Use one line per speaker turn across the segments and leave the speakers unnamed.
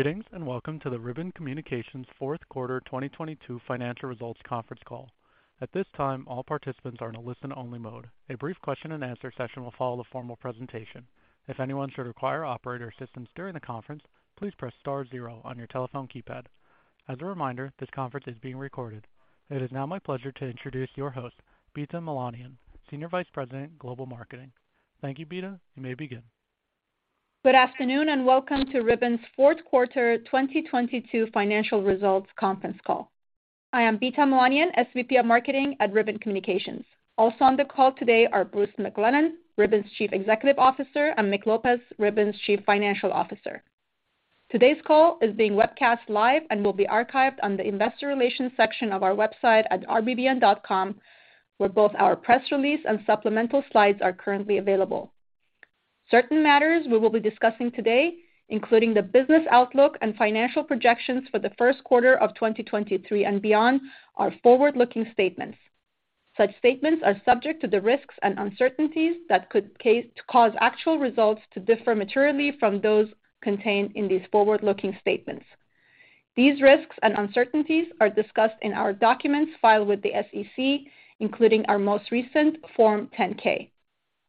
Greetings, welcome to the Ribbon Communications Q4 2022 Financial Results Conference Call. At this time, all participants are in a listen-only mode. A brief question and answer session will follow the formal presentation. If anyone should require operator assistance during the conference, please press star zero on your telephone keypad. As a reminder, this conference is being recorded. It is now my pleasure to introduce your host, Bita Milanian, Senior Vice President, Global Marketing. Thank you, Bita. You may begin.
Good afternoon, welcome to Ribbon's Q4 2022 financial results conference call. I am Bita Milanian, SVP of Marketing at Ribbon Communications. Also on the call today are Bruce McClelland, Ribbon's Chief Executive Officer, and Mick Lopez, Ribbon's Chief Financial Officer. Today's call is being webcast live and will be archived on the investor relations section of our website at rbbn.com, where both our press release and supplemental slides are currently available. Certain matters we will be discussing today, including the business outlook and financial projections for the Q1 of 2023 and beyond, are forward-looking statements. Such statements are subject to the risks and uncertainties that could cause actual results to differ materially from those contained in these forward-looking statements. These risks and uncertainties are discussed in our documents filed with the SEC, including our most recent Form 10-K.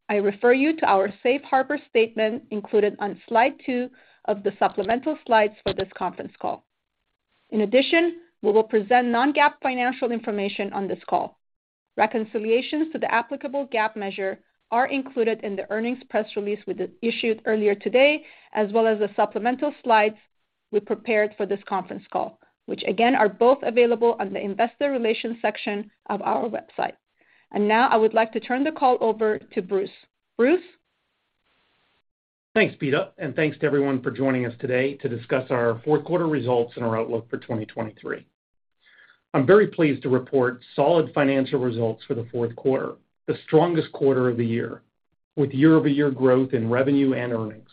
I refer you to our Safe Harbor statement included on slide two of the supplemental slides for this conference call. In addition, we will present non-GAAP financial information on this call. Reconciliations to the applicable GAAP measure are included in the earnings press release we issued earlier today, as well as the supplemental slides we prepared for this conference call, which again are both available on the investor relations section of our website. Now I would like to turn the call over to Bruce. Bruce?
Thanks, Bita, and thanks to everyone for joining us today to discuss our Q4 results and our outlook for 2023. I'm very pleased to report solid financial results for the fourth quarter, the strongest quarter of the year, with year-over-year growth in revenue and earnings.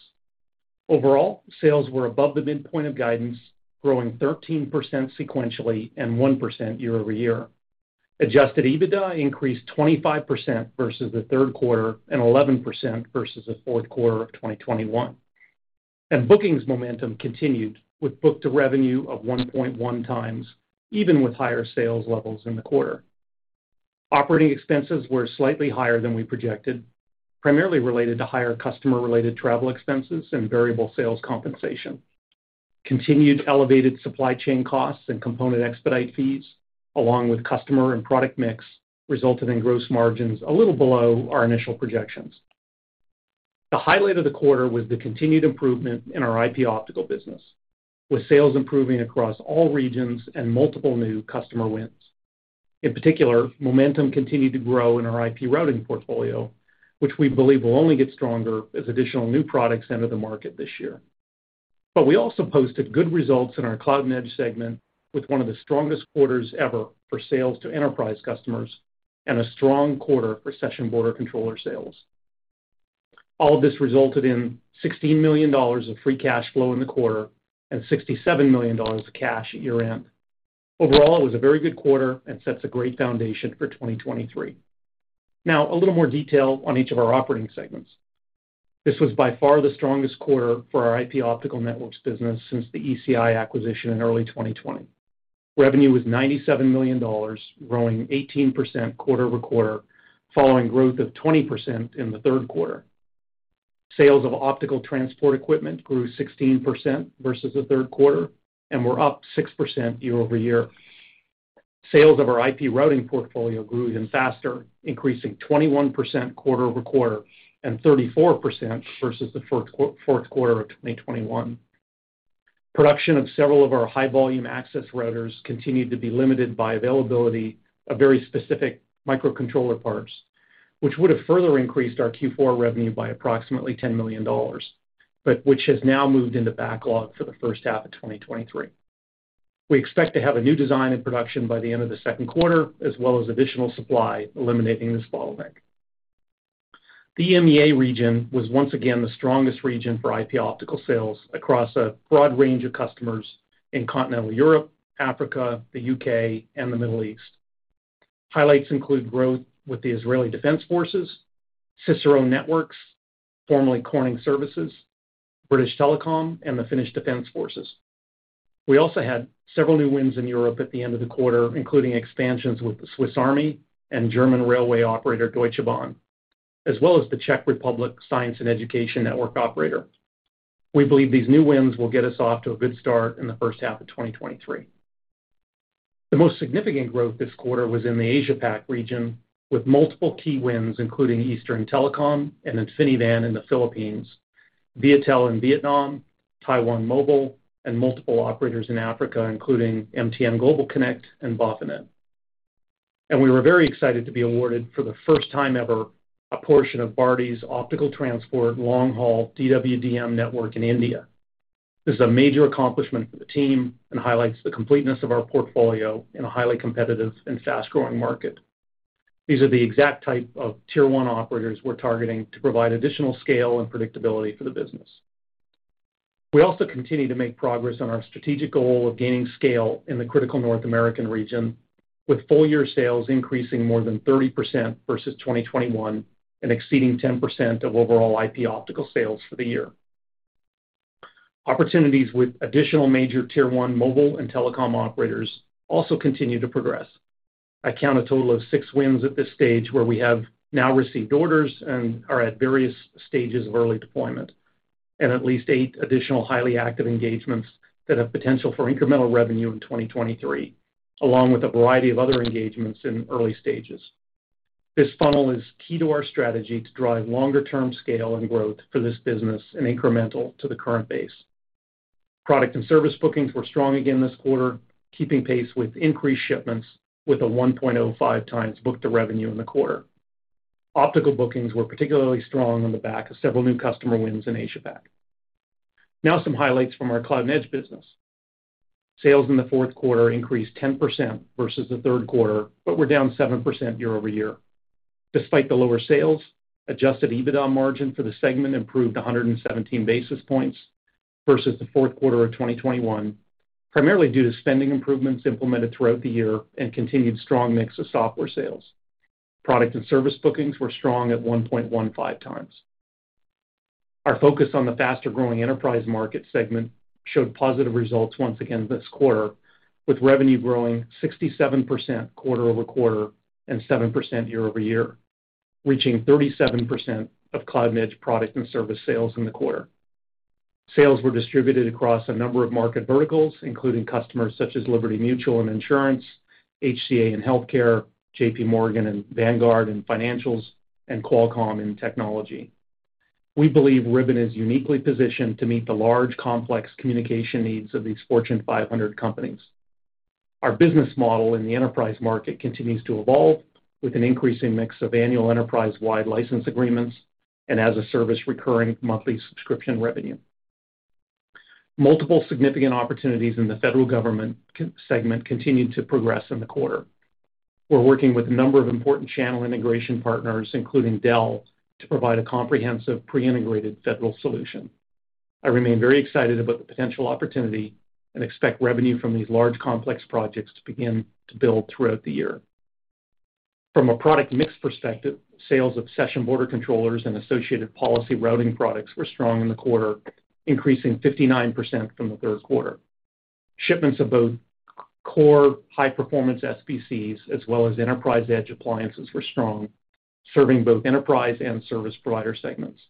Overall, sales were above the midpoint of guidance, growing 13% sequentially and 1% year-over-year. Adjusted EBITDA increased 25% versus the third quarter and 11% versus the fourth quarter of 2021. Bookings momentum continued with book-to-revenue of 1.1 times, even with higher sales levels in the quarter. Operating expenses were slightly higher than we projected, primarily related to higher customer-related travel expenses and variable sales compensation. Continued elevated supply chain costs and component expedite fees, along with customer and product mix, resulted in gross margins a little below our initial projections. The highlight of the quarter was the continued improvement in our IP Optical business, with sales improving across all regions and multiple new customer wins. In particular, momentum continued to grow in our IP routing portfolio, which we believe will only get stronger as additional new products enter the market this year. We also posted good results in our Cloud and Edge segment with one of the strongest quarters ever for sales to enterprise customers and a strong quarter for session border controller sales. All of this resulted in $16 million of free cash flow in the quarter and $67 million of cash at year-end. Overall, it was a very good quarter and sets a great foundation for 2023. Now, a little more detail on each of our operating segments. This was by far the strongest quarter for our IP Optical Networks business since the ECI acquisition in early 2020. Revenue was $97 million, growing 18% quarter-over-quarter, following growth of 20% in the Q3. Sales of optical transport equipment grew 16% versus the third quarter and were up 6% year-over-year. Sales of our IP routing portfolio grew even faster, increasing 21% quarter-over-quarter and 34% versus the Q4 of 2021. Production of several of our high-volume access routers continued to be limited by availability of very specific microcontroller parts, which would have further increased our Q4 revenue by approximately $10 million, but which has now moved into backlog for the first half of 2023. We expect to have a new design in production by the end of the 2Q, as well as additional supply eliminating this bottleneck. The EMEA region was once again the strongest region for IP Optical sales across a broad range of customers in continental Europe, Africa, the U.K., and the Middle East. Highlights include growth with the Israel Defense Forces, Syserso Networks, formerly Corning Services, British Telecom, and the Finnish Defence Forces. We also had several new wins in Europe at the end of the quarter, including expansions with the Swiss Armed Forces and German railway operator Deutsche Bahn, as well as the Czech Republic Science and Education Network. We believe these new wins will get us off to a good start in the H1 of 2023. The most significant growth this quarter was in the Asia PAC region, with multiple key wins, including Eastern Telecom and InfiniVAN in the Philippines, Viettel in Vietnam, Taiwan Mobile, and multiple operators in Africa, including MTN GlobalConnect and BOFINET. We were very excited to be awarded, for the first time ever, a portion of Bharti's optical transport long-haul DWDM network in India. This is a major accomplishment for the team and highlights the completeness of our portfolio in a highly competitive and fast-growing market. These are the exact type of Tier 1 operators we're targeting to provide additional scale and predictability for the business. We also continue to make progress on our strategic goal of gaining scale in the critical North American region. With full year sales increasing more than 30% versus 2021, and exceeding 10% of overall IP Optical sales for the year. Opportunities with additional major tier one mobile and telecom operators also continue to progress. I count a total of six wins at this stage where we have now received orders and are at various stages of early deployment, and at least eight additional highly active engagements that have potential for incremental revenue in 2023, along with a variety of other engagements in early stages. This funnel is key to our strategy to drive longer-term scale and growth for this business and incremental to the current base. Product and service bookings were strong again this quarter, keeping pace with increased shipments with a 1.05x book to revenue in the quarter. Optical bookings were particularly strong on the back of several new customer wins in AsiaPac. Some highlights from our Cloud and Edge business. Sales in the Q4 increased 10% versus the Q3, were down 7% year-over-year. Despite the lower sales, adjusted EBITDA margin for the segment improved 117 basis points versus the Q4 of 2021, primarily due to spending improvements implemented throughout the year and continued strong mix of software sales. Product and service bookings were strong at 1.15x. Our focus on the faster-growing enterprise market segment showed positive results once again this quarter, with revenue growing 67% quarter-over-quarter and 7% year-over-year, reaching 37% of Cloud and Edge product and service sales in the quarter. Sales were distributed across a number of market verticals, including customers such as Liberty Mutual and Insurance, HCA and Healthcare, JP Morgan and Vanguard and Financials, and Qualcomm in technology. We believe Ribbon is uniquely positioned to meet the large, complex communication needs of these Fortune 500 companies. Our business model in the enterprise market continues to evolve with an increasing mix of annual enterprise-wide license agreements and as a service recurring monthly subscription revenue. Multiple significant opportunities in the federal government segment continued to progress in the quarter. We're working with a number of important channel integration partners, including Dell, to provide a comprehensive pre-integrated federal solution. I remain very excited about the potential opportunity and expect revenue from these large, complex projects to begin to build throughout the year. From a product mix perspective, sales of session border controllers and associated policy routing products were strong in the quarter, increasing 59% from the third quarter. Shipments of both core high-performance SBCs as well as enterprise edge appliances were strong, serving both enterprise and service provider segments.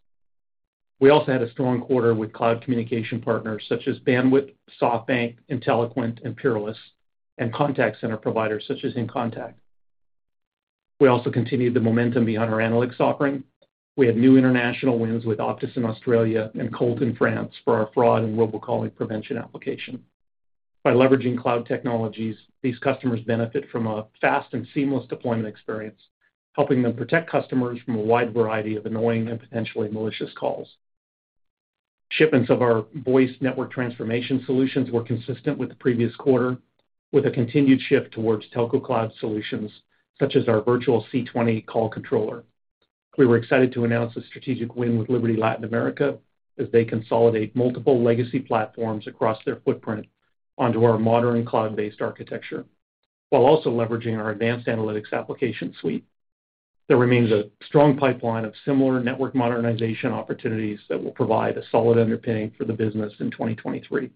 We also had a strong quarter with cloud communication partners such as Bandwidth, SoftBank, Inteliquent, and Peerless, and contact center providers such as InContact. We also continued the momentum behind our analytics offering. We had new international wins with Optus in Australia and Colt in France for our fraud and robocalling prevention application. By leveraging cloud technologies, these customers benefit from a fast and seamless deployment experience, helping them protect customers from a wide variety of annoying and potentially malicious calls. Shipments of our voice network transformation solutions were consistent with the previous quarter, with a continued shift towards telco cloud solutions such as our virtual C20 call controller. We were excited to announce a strategic win with Liberty Latin America as they consolidate multiple legacy platforms across their footprint onto our modern cloud-based architecture, while also leveraging our advanced analytics application suite. There remains a strong pipeline of similar network modernization opportunities that will provide a solid underpinning for the business in 2023.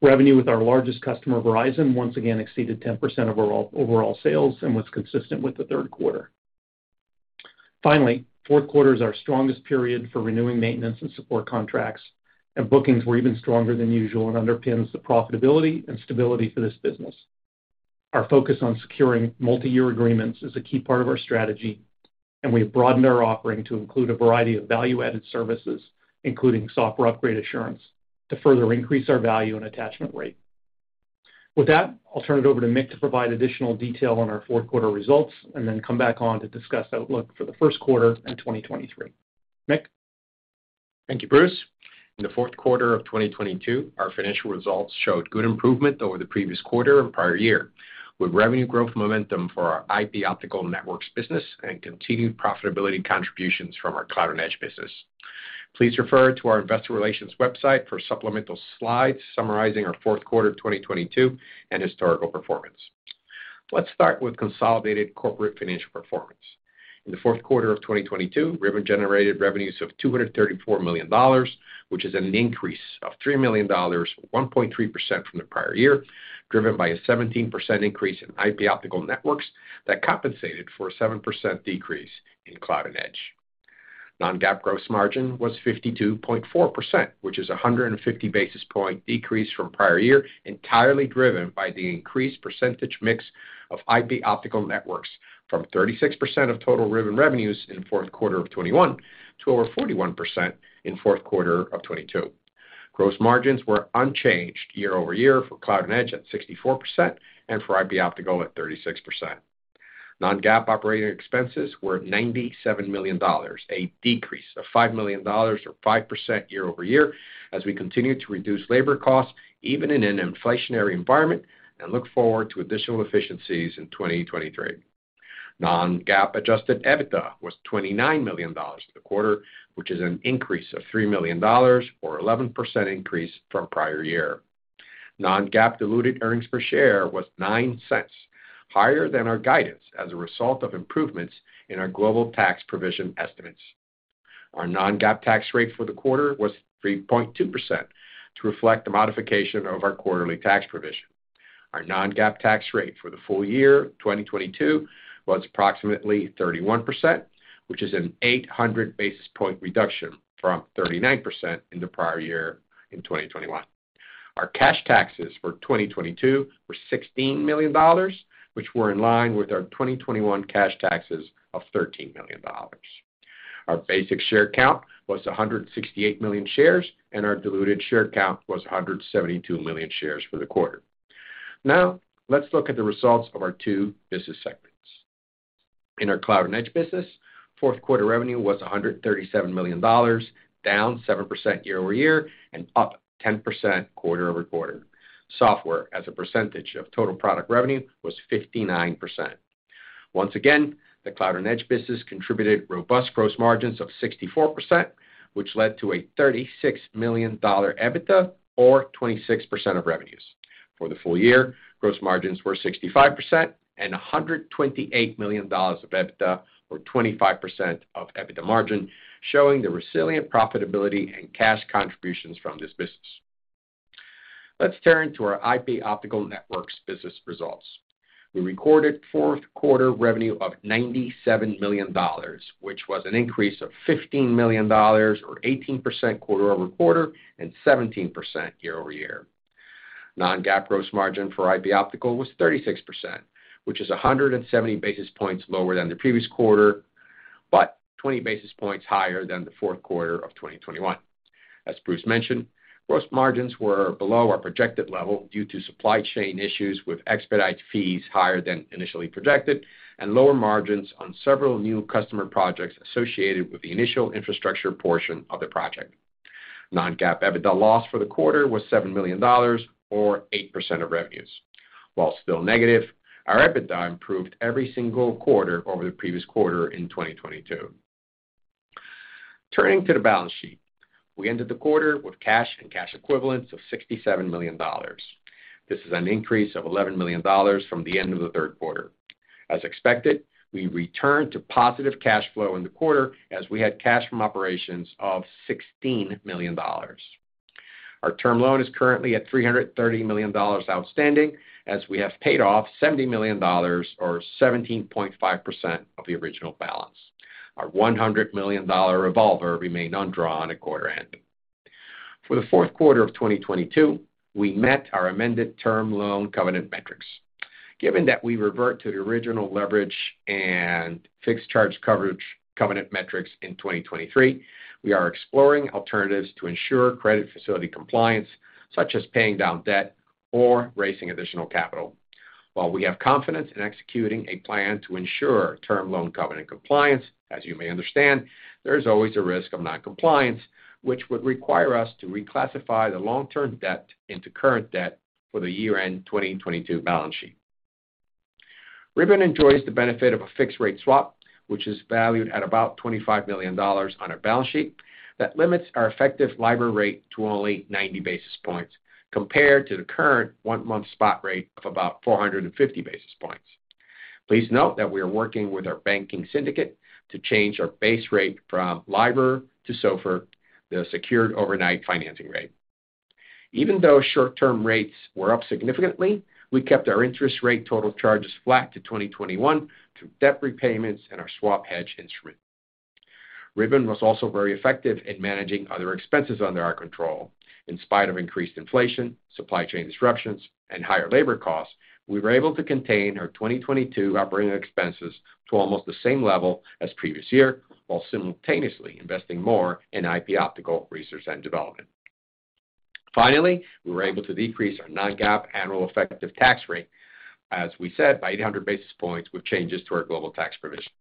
Revenue with our largest customer, Verizon, once again exceeded 10% of our overall sales and was consistent with the Q3. Q4 is our strongest period for renewing maintenance and support contracts, and bookings were even stronger than usual and underpins the profitability and stability for this business. Our focus on securing multi-year agreements is a key part of our strategy. We have broadened our offering to include a variety of value-added services, including software upgrade assurance, to further increase our value and attachment rate. I'll turn it over to Mick to provide additional detail on our Q4 results and then come back on to discuss outlook for the Q1 in 2023. Mick?
Thank you, Bruce. In the Q4 of 2022, our financial results showed good improvement over the previous quarter and prior year, with revenue growth momentum for our IP Optical Networks business and continued profitability contributions from our Cloud and Edge business. Please refer to our investor relations website for supplemental slides summarizing our Q4 of 2022 and historical performance. Let's start with consolidated corporate financial performance. In the Q4 of 2022, Ribbon generated revenues of $234 million, which is an increase of $3 million, 1.3% from the prior year, driven by a 17% increase in IP Optical Networks that compensated for a 7% decrease in Cloud and Edge. Non-GAAP gross margin was 52.4%, which is a 150 basis point decrease from prior year, entirely driven by the increased percentage mix of IP Optical Networks from 36% of total Ribbon revenues in Q4 of 2021 to over 41% in Q4 of 2022. Gross margins were unchanged year-over-year for Cloud and Edge at 64% and for IP Optical at 36%. Non-GAAP operating expenses were $97 million, a decrease of $5 million or 5% year-over-year as we continue to reduce labor costs even in an inflationary environment and look forward to additional efficiencies in 2023. Non-GAAP adjusted EBITDA was $29 million for the quarter, which is an increase of $3 million or 11% increase from prior year. Non-GAAP diluted earnings per share was $0.09 higher than our guidance as a result of improvements in our global tax provision estimates. Our non-GAAP tax rate for the quarter was 3.2% to reflect the modification of our quarterly tax provision. Our non-GAAP tax rate for the full year 2022 was approximately 31%, which is an 800 basis point reduction from 39% in the prior year in 2021. Our cash taxes for 2022 were $16 million, which were in line with our 2021 cash taxes of $13 million. Our basic share count was 168 million shares, and our diluted share count was 172 million shares for the quarter. Let's look at the results of our two business segments. In our Cloud and Edge business, Q4 revenue was $137 million, down 7% year-over-year and up 10% quarter-over-quarter. Software as a percentage of total product revenue was 59%. Once again, the Cloud and Edge business contributed robust gross margins of 64%, which led to a $36 million EBITDA or 26% of revenues. For the full year, gross margins were 65% and $128 million of EBITDA or 25% of EBITDA margin, showing the resilient profitability and cash contributions from this business. Let's turn to our IP Optical Networks business results. We recorded Q4 revenue of $97 million, which was an increase of $15 million or 18% quarter-over-quarter and 17% year-over-year. Non-GAAP gross margin for IP Optical was 36%, which is 170 basis points lower than the previous quarter, but 20 basis points higher than the Q4 of 2021. As Bruce mentioned, gross margins were below our projected level due to supply chain issues, with expedite fees higher than initially projected and lower margins on several new customer projects associated with the initial infrastructure portion of the project. Non-GAAP EBITDA loss for the quarter was $7 million or 8% of revenues. While still negative, our EBITDA improved every single quarter over the previous quarter in 2022. Turning to the balance sheet. We ended the quarter with cash and cash equivalents of $67 million. This is an increase of $11 million from the end of the Q3. As expected, we returned to positive cash flow in the quarter as we had cash from operations of $16 million. Our term loan is currently at $330 million outstanding as we have paid off $70 million or 17.5% of the original balance. Our $100 million revolver remained undrawn at quarter ending. For the fourth quarter of 2022, we met our amended term loan covenant metrics. Given that we revert to the original leverage and fixed charge coverage covenant metrics in 2023, we are exploring alternatives to ensure credit facility compliance, such as paying down debt or raising additional capital. While we have confidence in executing a plan to ensure term loan covenant compliance, as you may understand, there is always a risk of non-compliance, which would require us to reclassify the long term debt into current debt for the year end 2022 balance sheet. Ribbon enjoys the benefit of a fixed rate swap, which is valued at about $25 million on our balance sheet that limits our effective LIBOR rate to only 90 basis points, compared to the current one-month spot rate of about 450 basis points. Please note that we are working with our banking syndicate to change our base rate from LIBOR to SOFR, the Secured Overnight Financing Rate. Even though short-term rates were up significantly, we kept our interest rate total charges flat to 2021 through debt repayments and our swap hedge instrument. Ribbon was also very effective in managing other expenses under our control. In spite of increased inflation, supply chain disruptions, and higher labor costs, we were able to contain our 2022 operating expenses to almost the same level as previous year while simultaneously investing more in IP Optical research and development. Finally, we were able to decrease our non-GAAP annual effective tax rate, as we said, by 800 basis points with changes to our global tax provision.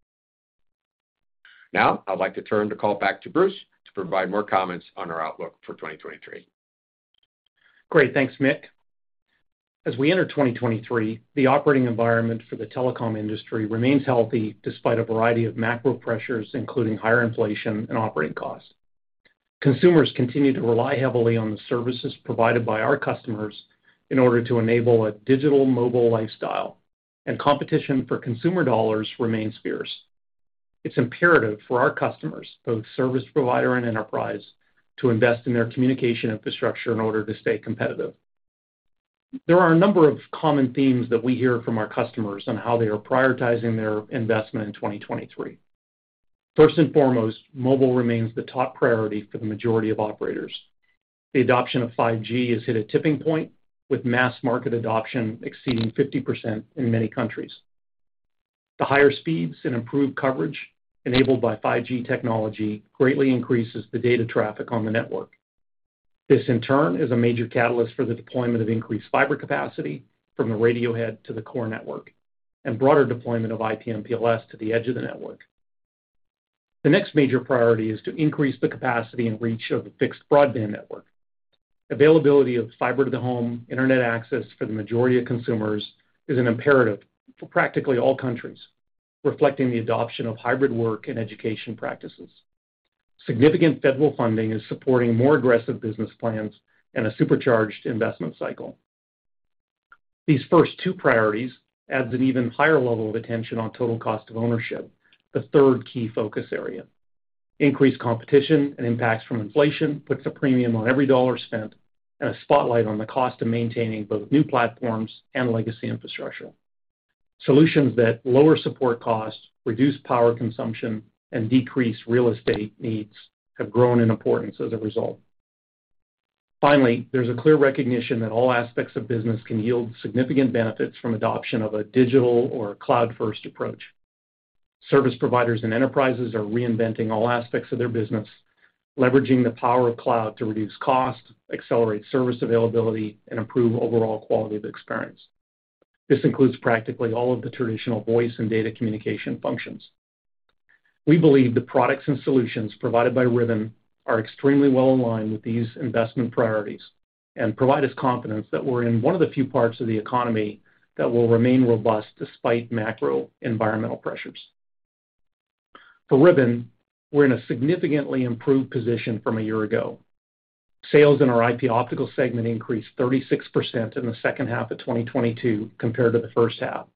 I'd like to turn the call back to Bruce to provide more comments on our outlook for 2023.
Great. Thanks, Mick. As we enter 2023, the operating environment for the telecom industry remains healthy despite a variety of macro pressures, including higher inflation and operating costs. Consumers continue to rely heavily on the services provided by our customers in order to enable a digital mobile lifestyle. Competition for consumer dollars remains fierce. It's imperative for our customers, both service provider and enterprise, to invest in their communication infrastructure in order to stay competitive. There are a number of common themes that we hear from our customers on how they are prioritizing their investment in 2023. First and foremost, mobile remains the top priority for the majority of operators. The adoption of 5G has hit a tipping point, with mass market adoption exceeding 50% in many countries. The higher speeds and improved coverage enabled by 5G technology greatly increases the data traffic on the network. This, in turn, is a major catalyst for the deployment of increased fiber capacity from the radio head to the core network, and broader deployment of IP/MPLS to the edge of the network. The next major priority is to increase the capacity and reach of the fixed broadband network. Availability of fiber to the home, internet access for the majority of consumers is an imperative for practically all countries, reflecting the adoption of hybrid work and education practices. Significant federal funding is supporting more aggressive business plans and a supercharged investment cycle. These first two priorities adds an even higher level of attention on total cost of ownership, the third key focus area. Increased competition and impacts from inflation puts a premium on every dollar spent and a spotlight on the cost of maintaining both new platforms and legacy infrastructure. Solutions that lower support costs, reduce power consumption, and decrease real estate needs have grown in importance as a result. There's a clear recognition that all aspects of business can yield significant benefits from adoption of a digital or cloud-first approach. Service providers and enterprises are reinventing all aspects of their business, leveraging the power of cloud to reduce costs, accelerate service availability, and improve overall quality of experience. This includes practically all of the traditional voice and data communication functions. We believe the products and solutions provided by Ribbon are extremely well aligned with these investment priorities and provide us confidence that we're in one of the few parts of the economy that will remain robust despite macro environmental pressures. For Ribbon, we're in a significantly improved position from a year ago. Sales in our IP Optical segment increased 36% in the H2 of 2022 compared to the first half,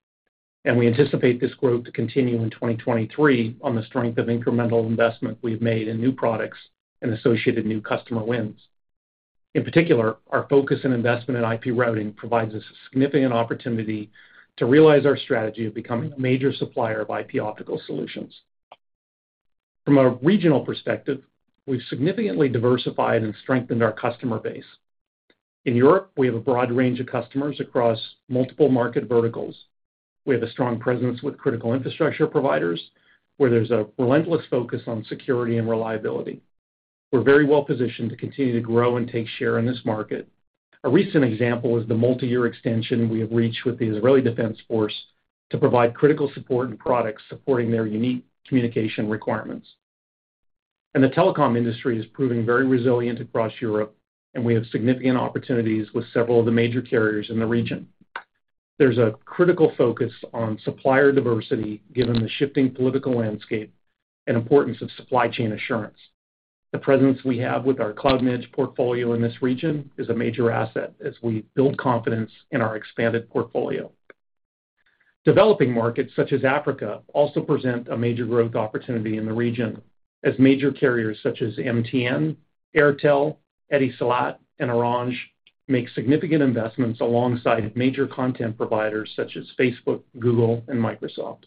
and we anticipate this growth to continue in 2023 on the strength of incremental investment we've made in new products and associated new customer wins. In particular, our focus and investment in IP routing provides us a significant opportunity to realize our strategy of becoming a major supplier of IP Optical solutions. From a regional perspective, we've significantly diversified and strengthened our customer base. In Europe, we have a broad range of customers across multiple market verticals. We have a strong presence with critical infrastructure providers where there's a relentless focus on security and reliability. We're very well positioned to continue to grow and take share in this market. A recent example is the multi-year extension we have reached with the Israel Defense Forces to provide critical support and products supporting their unique communication requirements. The telecom industry is proving very resilient across Europe, and we have significant opportunities with several of the major carriers in the region. There's a critical focus on supplier diversity given the shifting political landscape and importance of supply chain assurance. The presence we have with our cloud manage portfolio in this region is a major asset as we build confidence in our expanded portfolio. Developing markets such as Africa also present a major growth opportunity in the region as major carriers such as MTN, Airtel, Etisalat, and Orange make significant investments alongside major content providers such as Facebook, Google, and Microsoft.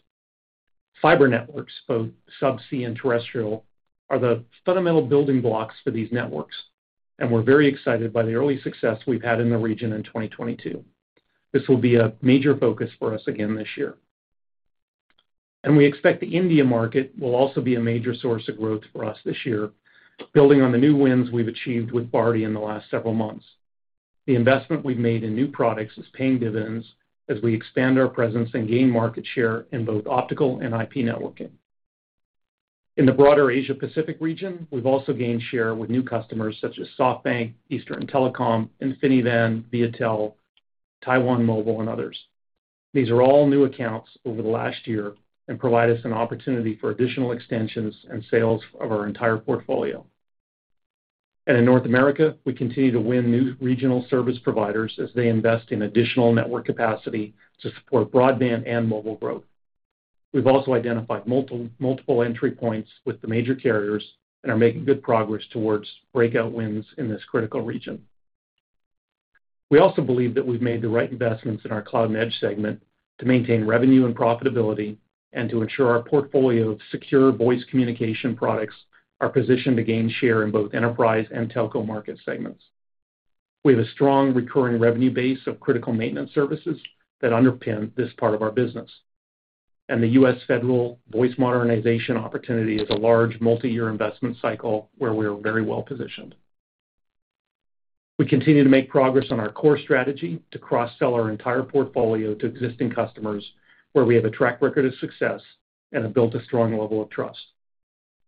Fiber networks, both subsea and terrestrial, are the fundamental building blocks for these networks, and we're very excited by the early success we've had in the region in 2022. This will be a major focus for us again this year. We expect the India market will also be a major source of growth for us this year, building on the new wins we've achieved with Bharti in the last several months. The investment we've made in new products is paying dividends as we expand our presence and gain market share in both optical and IP networking. In the broader Asia Pacific region, we've also gained share with new customers such as SoftBank, Eastern Telecom, InfiniVAN, Viettel, Taiwan Mobile, and others. These are all new accounts over the last year and provide us an opportunity for additional extensions and sales of our entire portfolio. In North America, we continue to win new regional service providers as they invest in additional network capacity to support broadband and mobile growth. We've also identified multiple entry points with the major carriers and are making good progress towards breakout wins in this critical region. We also believe that we've made the right investments in our Cloud and Edge segment to maintain revenue and profitability and to ensure our portfolio of secure voice communication products are positioned to gain share in both enterprise and telco market segments. We have a strong recurring revenue base of critical maintenance services that underpin this part of our business, and the U.S. federal voice modernization opportunity is a large multi-year investment cycle where we are very well positioned. We continue to make progress on our core strategy to cross-sell our entire portfolio to existing customers where we have a track record of success and have built a strong level of trust.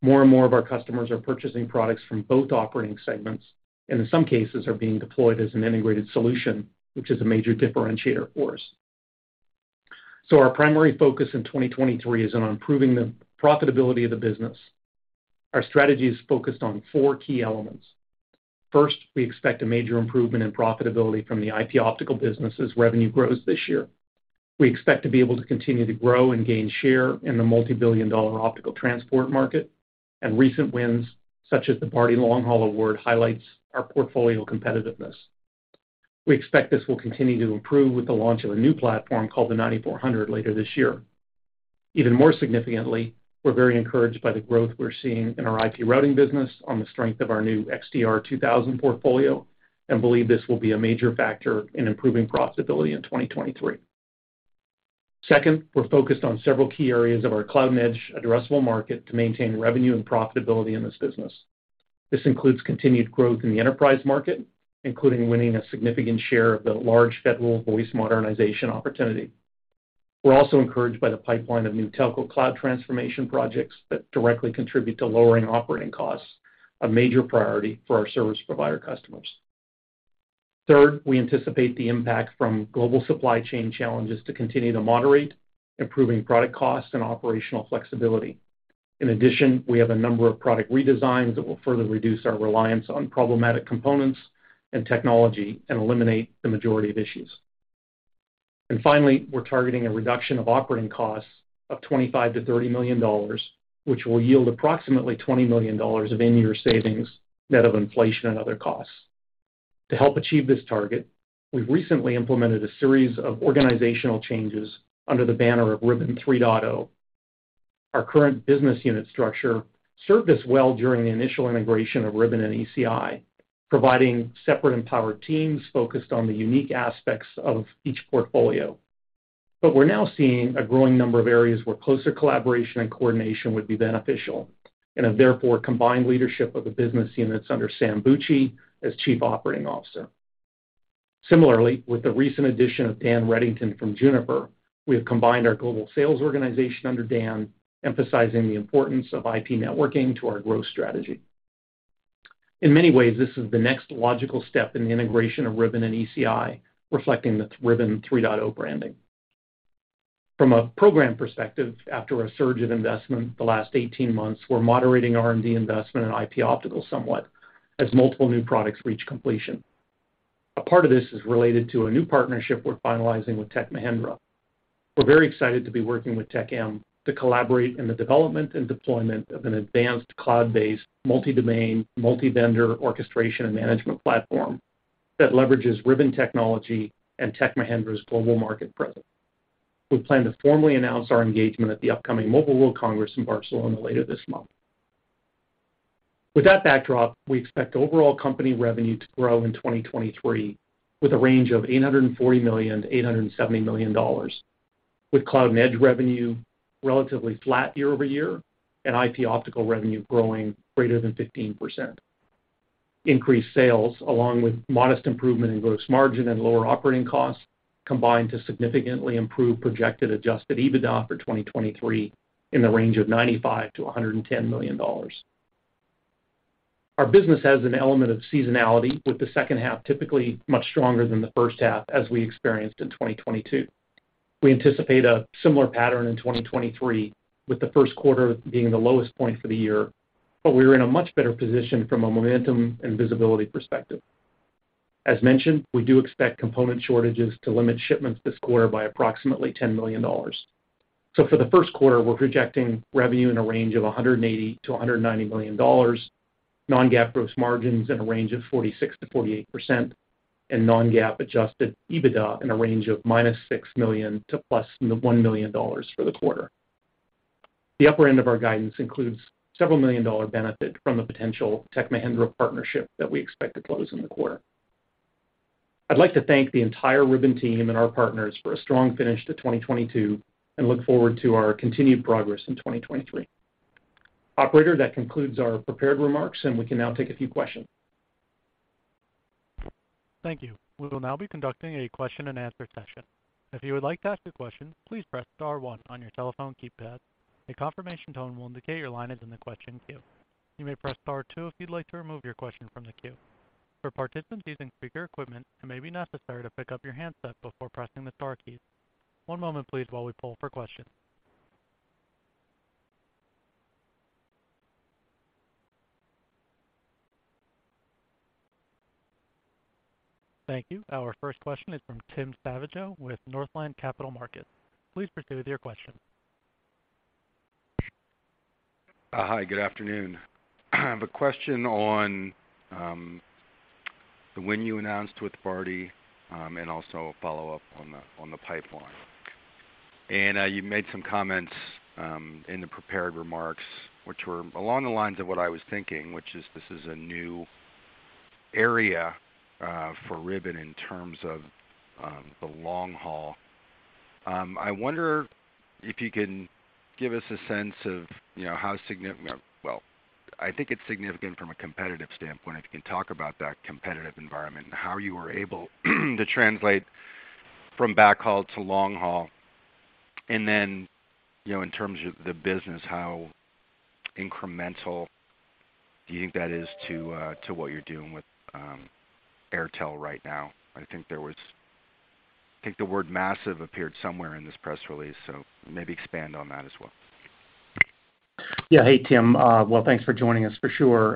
More and more of our customers are purchasing products from both operating segments, and in some cases are being deployed as an integrated solution, which is a major differentiator for us. Our primary focus in 2023 is on improving the profitability of the business. Our strategy is focused on four key elements. First, we expect a major improvement in profitability from the IP Optical business as revenue grows this year. We expect to be able to continue to grow and gain share in the multi-billion dollar optical transport market, and recent wins, such as the Bharti Airtel long haul award, highlights our portfolio competitiveness. We expect this will continue to improve with the launch of a new platform called the 9400 later this year. Even more significantly, we're very encouraged by the growth we're seeing in our IP routing business on the strength of our new XDR2000 portfolio and believe this will be a major factor in improving profitability in 2023. Second, we're focused on several key areas of our Cloud and Edge addressable market to maintain revenue and profitability in this business. This includes continued growth in the enterprise market, including winning a significant share of the large federal voice modernization opportunity. We're also encouraged by the pipeline of new telco cloud transformation projects that directly contribute to lowering operating costs, a major priority for our service provider customers. Third, we anticipate the impact from global supply chain challenges to continue to moderate, improving product costs and operational flexibility. In addition, we have a number of product redesigns that will further reduce our reliance on problematic components and technology and eliminate the majority of issues. Finally, we're targeting a reduction of operating costs of $25 million-$30 million, which will yield approximately $20 million of in-year savings, net of inflation and other costs. To help achieve this target, we've recently implemented a series of organizational changes under the banner of Ribbon 3.0. Our current business unit structure served us well during the initial integration of Ribbon and ECI, providing separate empowered teams focused on the unique aspects of each portfolio. We're now seeing a growing number of areas where closer collaboration and coordination would be beneficial and have therefore combined leadership of the business units under Sam Bucci as Chief Operating Officer. Similarly, with the recent addition of Dan Redington from Juniper, we have combined our global sales organization under Dan, emphasizing the importance of IP networking to our growth strategy. In many ways, this is the next logical step in the integration of Ribbon and ECI, reflecting the Ribbon 3.0 branding. From a program perspective, after a surge of investment the last 18 months, we're moderating R&D investment in IP Optical somewhat as multiple new products reach completion. A part of this is related to a new partnership we're finalizing with Tech Mahindra. We're very excited to be working with Tech M to collaborate in the development and deployment of an advanced cloud-based, multi-domain, multi-vendor orchestration and management platform that leverages Ribbon technology and Tech Mahindra's global market presence. We plan to formally announce our engagement at the upcoming Mobile World Congress in Barcelona later this month. With that backdrop, we expect overall company revenue to grow in 2023 with a range of $840 million-$870 million, with Cloud and Edge revenue relatively flat year-over-year and IP Optical revenue growing greater than 15%. Increased sales along with modest improvement in gross margin and lower operating costs combine to significantly improve projected adjusted EBITDA for 2023 in the range of $95 million-$110 million. Our business has an element of seasonality with the H2 typically much stronger than the first half as we experienced in 2022. We anticipate a similar pattern in 2023, with the Q1 being the lowest point for the year. We are in a much better position from a momentum and visibility perspective. As mentioned, we do expect component shortages to limit shipments this quarter by approximately $10 million. For the Q1, we're projecting revenue in a range of $180 million-$190 million, Non-GAAP gross margins in a range of 46%-48%, and Non-GAAP adjusted EBITDA in a range of -$6 million to +$1 million for the quarter. The upper end of our guidance includes several million dollar benefit from the potential Tech Mahindra partnership that we expect to close in the quarter. I'd like to thank the entire Ribbon team and our partners for a strong finish to 2022 and look forward to our continued progress in 2023. Operator, that concludes our prepared remarks, and we can now take a few questions.
Thank you. We will now be conducting a question-and-answer session. If you would like to ask a question, please press star one on your telephone keypad. A confirmation tone will indicate your line is in the question queue. You may press star two if you'd like to remove your question from the queue. For participants using speaker equipment, it may be necessary to pick up your handset before pressing the star keys. One moment please while we poll for questions. Thank you. Our first question is from Tim Savageaux with Northland Capital Markets. Please proceed with your question.
Hi, good afternoon. I have a question on the win you announced with Bharti, and also a follow-up on the pipeline. You made some comments in the prepared remarks, which were along the lines of what I was thinking, which is this is a new area for Ribbon in terms of the long haul. I wonder if you can give us a sense of, you know, Well, I think it's significant from a competitive standpoint, if you can talk about that competitive environment and how you are able to translate from backhaul to long haul. Then, you know, in terms of the business, how incremental do you think that is to what you're doing with Airtel right now? I think there was... I think the word massive appeared somewhere in this press release, so maybe expand on that as well.
Yeah. Hey, Tim. Well, thanks for joining us for sure.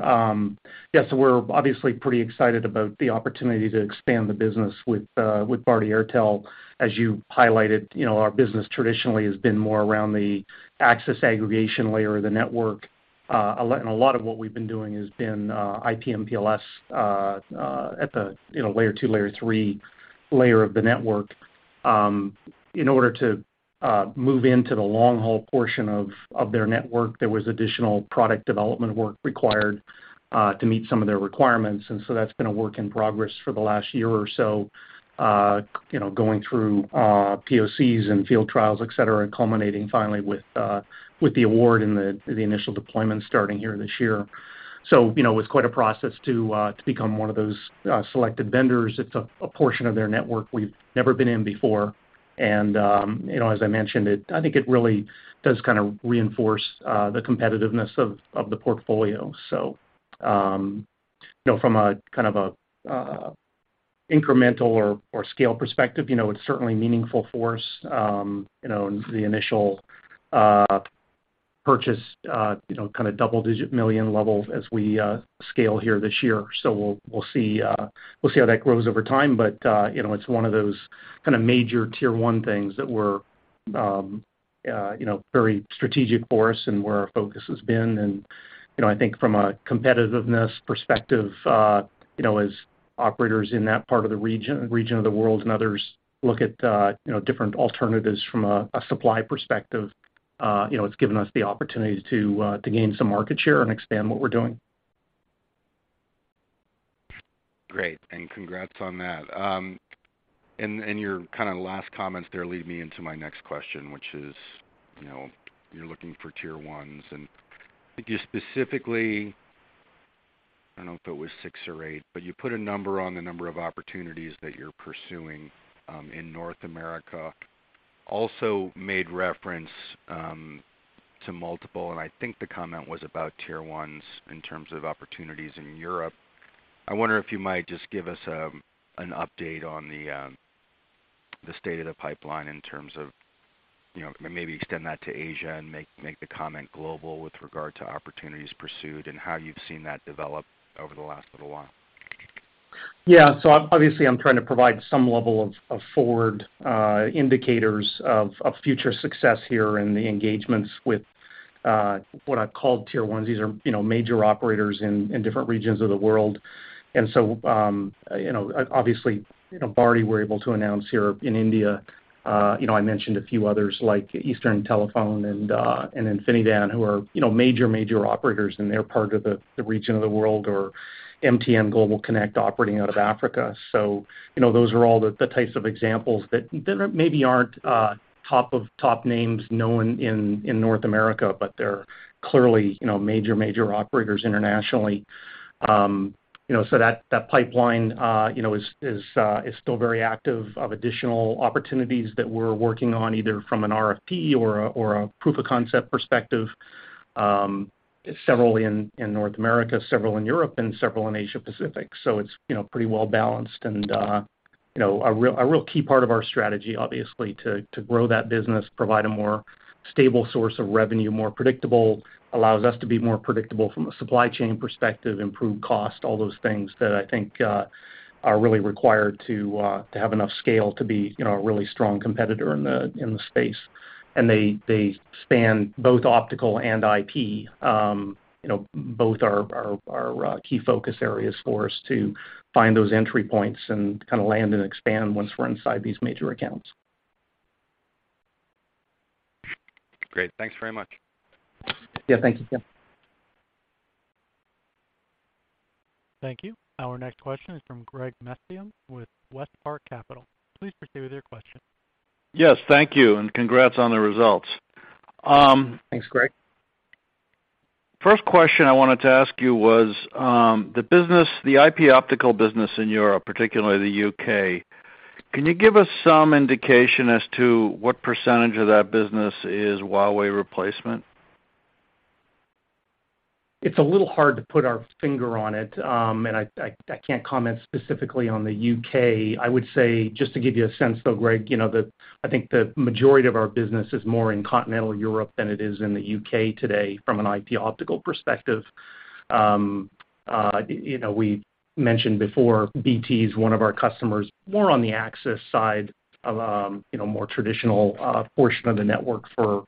We're obviously pretty excited about the opportunity to expand the business with Bharti Airtel. As you highlighted, you know, our business traditionally has been more around the access aggregation layer of the network. A lot, and a lot of what we've been doing has been IP MPLS at the, you know, layer 2, layer 3 layer of the network. In order to move into the long-haul portion of their network, there was additional product development work required to meet some of their requirements. That's been a work in progress for the last year or so, you know, going through POCs and field trials, et cetera, and culminating finally with the award and the initial deployment starting here this year. You know, it was quite a process to become one of those selected vendors. It's a portion of their network we've never been in before. You know, as I mentioned, I think it really does kind of reinforce the competitiveness of the portfolio. You know, from a kind of a, incremental or scale perspective, you know, it's certainly meaningful for us. You know, the initial purchase, you know, kind of double-digit million level as we scale here this year. We'll, we'll see, we'll see how that grows over time. You know, it's one of those kind of major tier one things that we're, you know, very strategic for us and where our focus has been. You know, I think from a competitiveness perspective, you know, as operators in that part of the region of the world and others look at, you know, different alternatives from a supply perspective, you know, it's given us the opportunity to gain some market share and expand what we're doing.
Great. Congrats on that. Your kind of last comments there lead me into my next question, which is, you know, you're looking for tier ones. Did you specifically... I don't know if it was six or eight, but you put a number on the number of opportunities that you're pursuing in North America, also made reference to multiple, and I think the comment was about tier ones in terms of opportunities in Europe. I wonder if you might just give us an update on the state of the pipeline in terms of, you know, maybe extend that to Asia and make the comment global with regard to opportunities pursued and how you've seen that develop over the last little while.
Yeah. Obviously, I'm trying to provide some level of forward indicators of future success here in the engagements with what I've called tier ones. These are, you know, major operators in different regions of the world. You know, obviously, you know, Bharti, we're able to announce here in India. You know, I mentioned a few others like Eastern Communications and InfiniVAN, who are, you know, major operators in their part of the region of the world, or MTN GlobalConnect operating out of Africa. You know, those are all the types of examples that maybe aren't top names known in North America, but they're clearly, you know, major operators internationally. You know, so that pipeline, you know, is still very active of additional opportunities that we're working on, either from an RFP or a proof of concept perspective, several in North America, several in Europe and several in Asia-Pacific. It's, you know, pretty well-balanced. You know, a real key part of our strategy, obviously, to grow that business, provide a more stable source of revenue, more predictable, allows us to be more predictable from a supply chain perspective, improve cost, all those things that I think are really required to have enough scale to be, you know, a really strong competitor in the space. They span both optical and IP. You know, both are key focus areas for us to find those entry points and kind of land and expand once we're inside these major accounts.
Great. Thanks very much.
Yeah. Thank you, Tim.
Thank you. Our next question is from Greg Mesniaeff with WestPark Capital. Please proceed with your question.
Yes, thank you, and congrats on the results.
Thanks, Greg.
Question I wanted to ask you was, the business, the IP Optical business in Europe, particularly the U.K., can you give us some indication as to what percentage of that business is Huawei replacement?
It's a little hard to put our finger on it. I can't comment specifically on the U.K. I would say, just to give you a sense though, Greg, you know, I think the majority of our business is more in continental Europe than it is in the U.K. today from an IP Optical perspective. you know, we mentioned before BT is one of our customers, more on the access side of, you know, more traditional, portion of the network for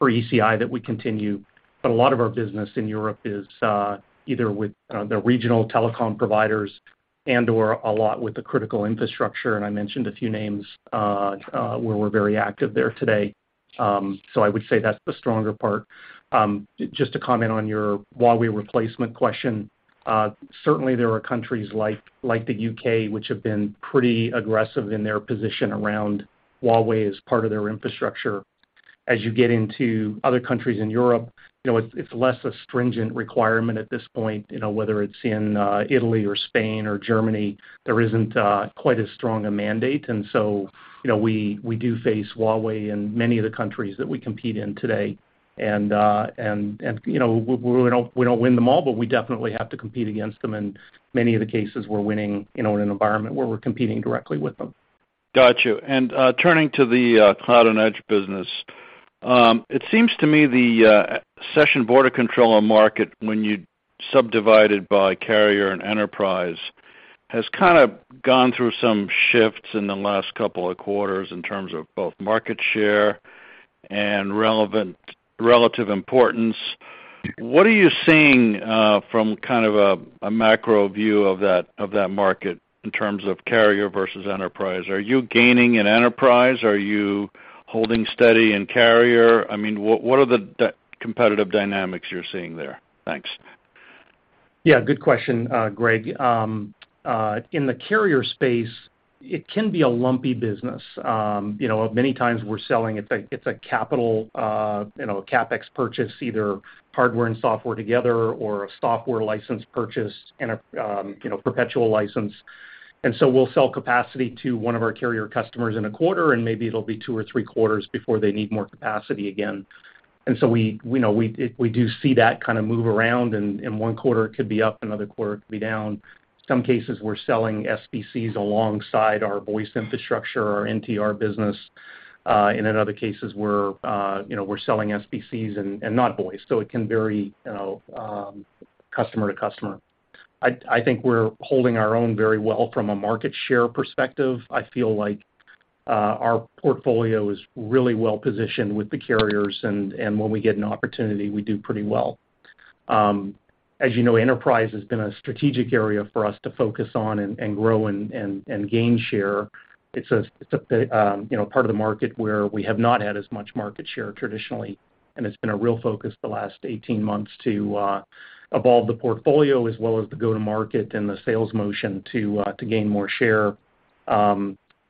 ECI that we continue. A lot of our business in Europe is, either with, the regional telecom providers and/or a lot with the critical infrastructure, and I mentioned a few names, where we're very active there today. I would say that's the stronger part. Just to comment on your Huawei replacement question, certainly there are countries like the U.K., which have been pretty aggressive in their position around Huawei as part of their infrastructure. As you get into other countries in Europe, it's less a stringent requirement at this point, whether it's in Italy or Spain or Germany, there isn't quite as strong a mandate. So, we do face Huawei in many of the countries that we compete in today. We don't win them all, but we definitely have to compete against them, and many of the cases we're winning in an environment where we're competing directly with them.
Got you. Turning to the Cloud and Edge business, it seems to me the session border controller market, when you subdivide it by carrier and enterprise, has kind of gone through some shifts in the last couple of quarters in terms of both market share and relative importance. What are you seeing from kind of a macro view of that, of that market in terms of carrier versus enterprise? Are you gaining in enterprise? Are you holding steady in carrier? I mean, what are the competitive dynamics you're seeing there? Thanks.
Yeah, good question, Greg. In the carrier space. It can be a lumpy business. You know, many times we're selling, it's a, it's a capital, you know, CapEx purchase, either hardware and software together or a software license purchase and a, you know, perpetual license. We'll sell capacity to one of our carrier customers in a quarter, and maybe it'll be two or three quarters before they need more capacity again. We, we know, we do see that kinda move around. In one quarter it could be up, another quarter it could be down. Some cases, we're selling SBCs alongside our voice infrastructure, our NTR business. In other cases, we're, you know, we're selling SBCs and not voice. It can vary, you know, customer to customer. I think we're holding our own very well from a market share perspective. I feel like our portfolio is really well-positioned with the carriers, and when we get an opportunity, we do pretty well. As you know, enterprise has been a strategic area for us to focus on and grow and gain share. It's a, you know, part of the market where we have not had as much market share traditionally, and it's been a real focus the last 18 months to evolve the portfolio as well as the go-to-market and the sales motion to gain more share.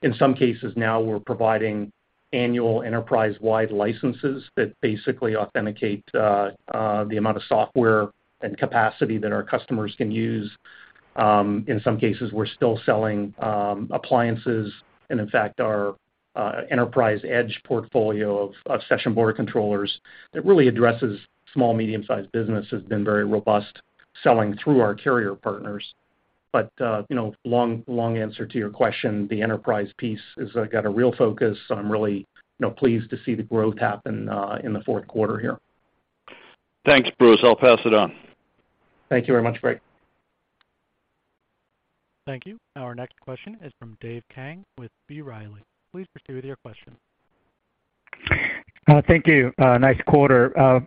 In some cases now we're providing annual enterprise-wide licenses that basically authenticate the amount of software and capacity that our customers can use. In some cases, we're still selling appliances. In fact, our enterprise edge portfolio of session border controllers that really addresses small, medium-sized business, has been very robust selling through our carrier partners. You know, long answer to your question, the enterprise piece has got a real focus. I'm really, you know, pleased to see the growth happen in the Q4 here.
Thanks, Bruce. I'll pass it on.
Thank you very much, Greg.
Thank you. Our next question is from Dave Kang with B. Riley. Please proceed with your question.
Thank you. Nice quarter.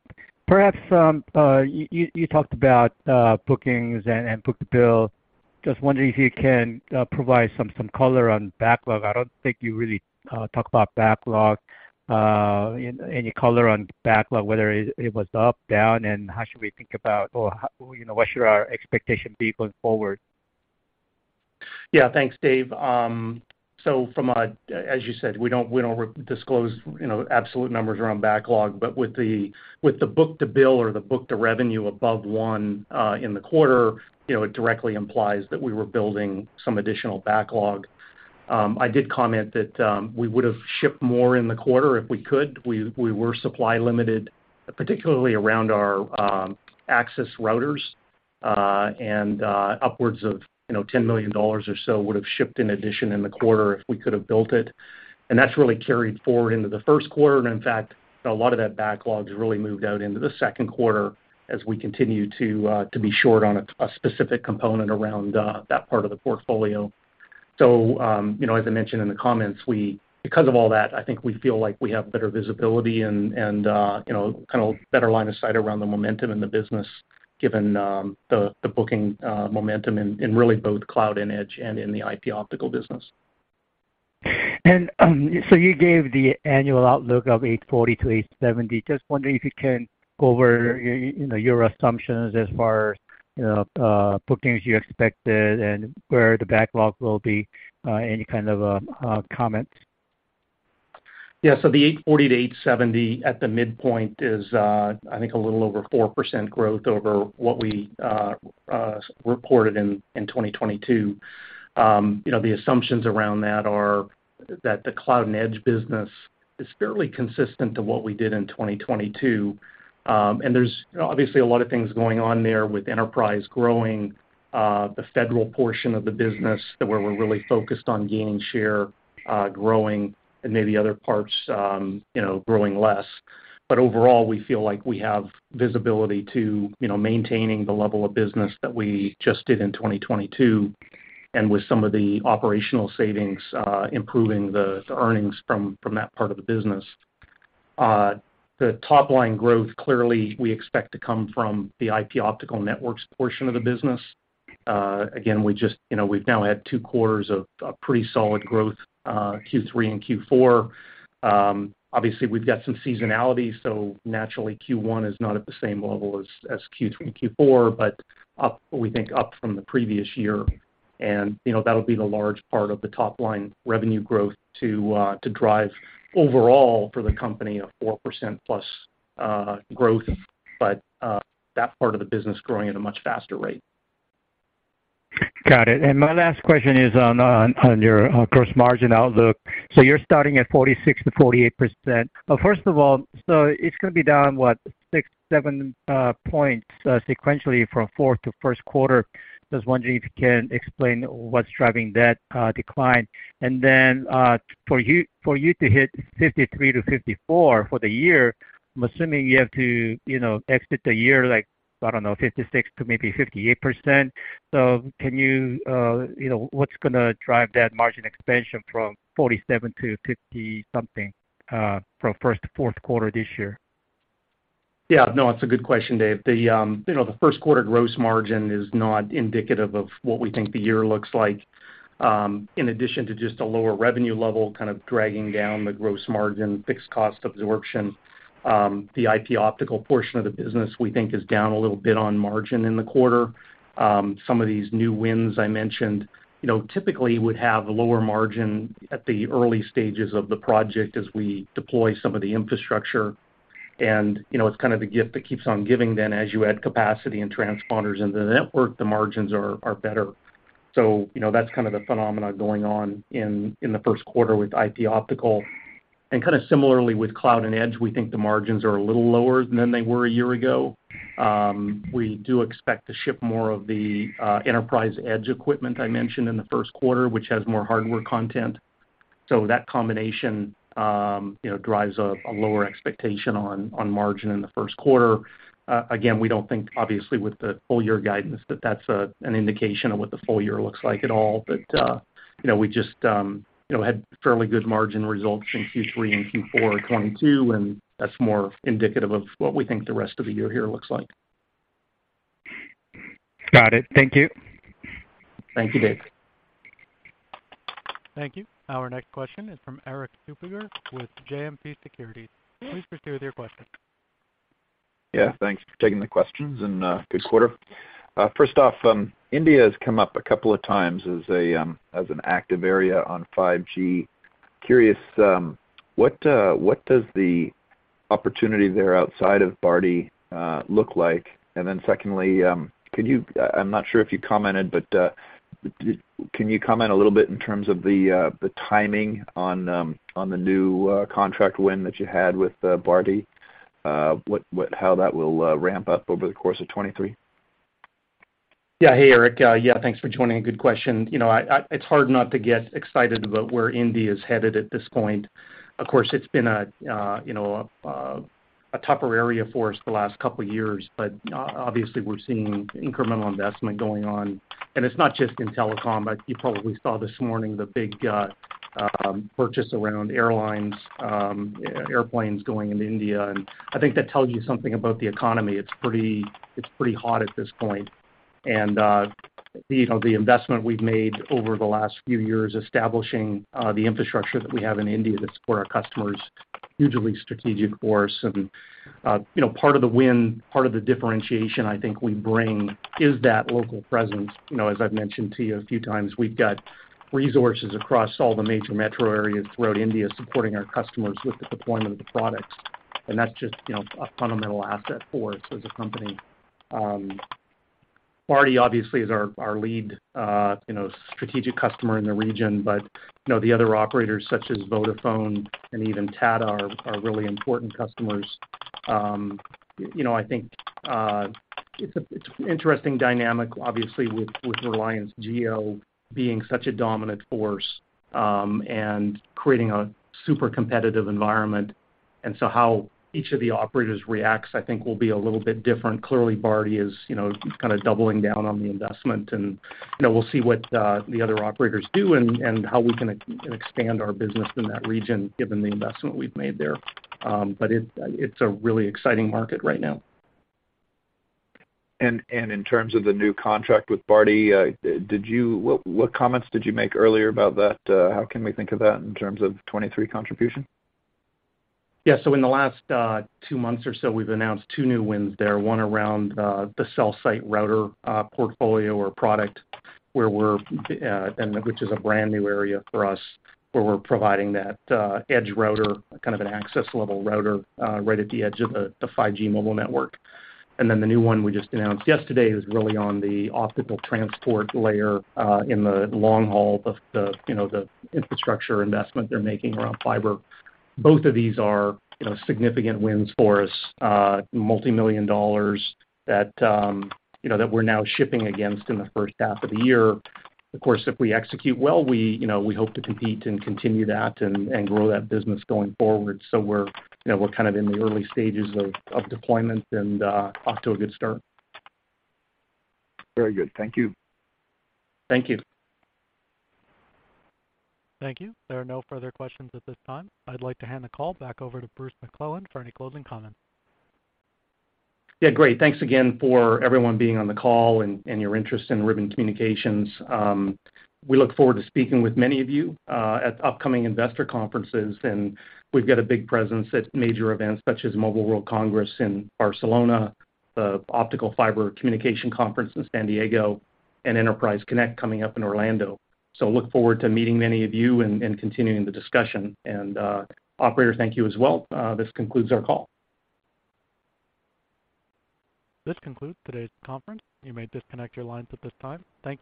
Perhaps, you talked about bookings and book-to-bill. Just wondering if you can provide some color on backlog? I don't think you really talked about backlog. Any color on backlog, whether it was up, down, and how should we think about or you know, what should our expectation be going forward?
Thanks, Dave. As you said, we don't disclose, you know, absolute numbers around backlog, but with the book-to-bill or the book-to-bill above 1 in the quarter, you know, it directly implies that we were building some additional backlog. I did comment that we would've shipped more in the quarter if we could. We were supply limited, particularly around our access routers. Upwards of, you know, $10 million or so would have shipped in addition in the quarter if we could have built it. That's really carried forward into the first quarter. In fact, a lot of that backlog has really moved out into the second quarter as we continue to be short on a specific component around that part of the portfolio. You know, as I mentioned in the comments, because of all that, I think we feel like we have better visibility and, you know, kind of better line of sight around the momentum in the business, given, the booking momentum in really both Cloud and Edge and in the IP Optical business.
You gave the annual outlook of $840 million-$870 million. Just wondering if you can go over, you know, your assumptions as far as, bookings you expected and where the backlog will be. Any kind of, comments?
Yeah. The $840 million-$870 million at the midpoint is, I think a little over 4% growth over what we reported in 2022. You know, the assumptions around that are that the Cloud and Edge business is fairly consistent to what we did in 2022. There's, you know, obviously a lot of things going on there with enterprise growing, the federal portion of the business that we're really focused on gaining share, growing and maybe other parts, you know, growing less. Overall, we feel like we have visibility to, you know, maintaining the level of business that we just did in 2022, and with some of the operational savings, improving the earnings from that part of the business. The top line growth clearly we expect to come from the IP Optical Networks portion of the business. Again, we just, you know, we've now had 2 quarters of pretty solid growth, Q3 and Q4. Obviously we've got some seasonality, so naturally Q1 is not at the same level as Q3 and Q4, but we think up from the previous year. You know, that'll be the large part of the top line revenue growth to drive overall for the company a 4%+ growth, but that part of the business growing at a much faster rate.
Got it. My last question is on your gross margin outlook. You're starting at 46%-48%. First of all, it's gonna be down, what, six, seven points sequentially from Q4 to Q1. Just wondering if you can explain what's driving that decline. Then for you to hit 53%-54% for the year, I'm assuming you have to, you know, exit the year, like, I don't know, 56%-58%. Can you know, what's gonna drive that margin expansion from 47% to 50 something from first to Q4 this year?
No, it's a good question, Dave. The, you know, the Q1 gross margin is not indicative of what we think the year looks like. In addition to just a lower revenue level kind of dragging down the gross margin, fixed cost absorption, the IP Optical portion of the business, we think is down a little bit on margin in the quarter. Some of these new wins I mentioned, you know, typically would have a lower margin at the early stages of the project as we deploy some of the infrastructure. You know, it's kind of the gift that keeps on giving then as you add capacity and transponders into the network, the margins are better. You know, that's kind of the phenomenon going on in the Q1 with IP Optical. Kind of similarly with Cloud and Edge, we think the margins are a little lower than they were a year ago. We do expect to ship more of the enterprise edge equipment I mentioned in the first quarter, which has more hardware content. That combination, you know, drives a lower expectation on margin in the Q1. Again, we don't think, obviously with the full year guidance, that that's an indication of what the full year looks like at all. You know, we just, you know, had fairly good margin results in Q3 and Q4 of 2022, and that's more indicative of what we think the rest of the year here looks like.
Got it. Thank you.
Thank you, Dave.
Thank you. Our next question is from Erik Suppiger with JMP Securities. Please proceed with your question.
Yeah, thanks for taking the questions and good quarter. First off, India has come up a couple of times as an active area on 5G. Curious, what does the opportunity there outside of Bharti look like? Secondly, could you... I'm not sure if you commented, but can you comment a little bit in terms of the timing on the new contract win that you had with Bharti? How that will ramp up over the course of 2023?
Yeah. Hey, Erik. Yeah, thanks for joining. Good question. You know, it's hard not to get excited about where India's headed at this point. Of course, it's been a, you know, a tougher area for us the last couple years, but obviously we're seeing incremental investment going on. It's not just in telecom, but you probably saw this morning the big purchase around airlines, airplanes going into India. I think that tells you something about the economy. It's pretty, it's pretty hot at this point. You know, the investment we've made over the last few years establishing the infrastructure that we have in India to support our customers, hugely strategic for us. You know, part of the win, part of the differentiation I think we bring is that local presence. You know, as I've mentioned to you a few times, we've got resources across all the major metro areas throughout India supporting our customers with the deployment of the products, and that's just, you know, a fundamental asset for us as a company. Bharti obviously is our lead, you know, strategic customer in the region. You know, the other operators such as Vodafone and even Tata are really important customers. You know, I think, it's a, it's an interesting dynamic obviously with Reliance Jio being such a dominant force, and creating a super competitive environment. How each of the operators reacts, I think, will be a little bit different. Clearly, Bharti is, you know, kind of doubling down on the investment and, you know, we'll see what the other operators do and how we can expand our business in that region given the investment we've made there. It's a really exciting market right now.
In terms of the new contract with Bharti, What comments did you make earlier about that? How can we think of that in terms of 2023 contribution?
In the last two months or so, we've announced two new wins there, one around the cell site router portfolio or product, which is a brand-new area for us, where we're providing that edge router, kind of an access level router, right at the edge of the 5G mobile network. The new one we just announced yesterday is really on the optical transport layer in the long haul of the, you know, the infrastructure investment they're making around fiber. Both of these are, you know, significant wins for us, $ multimillion that, you know, that we're now shipping against in the first half of the year. Of course, if we execute well, we, you know, we hope to compete and continue that and grow that business going forward. We're, you know, we're kind of in the early stages of deployment and off to a good start.
Very good. Thank you.
Thank you.
Thank you. There are no further questions at this time. I'd like to hand the call back over to Bruce McClelland for any closing comments.
Yeah, great. Thanks again for everyone being on the call and your interest in Ribbon Communications. We look forward to speaking with many of you at upcoming investor conferences, and we've got a big presence at major events such as Mobile World Congress in Barcelona, the Optical Fiber Communication Conference in San Diego, and Enterprise Connect coming up in Orlando. Look forward to meeting many of you and continuing the discussion. Operator, thank you as well. This concludes our call.
This concludes today's conference. You may disconnect your lines at this time. Thank you.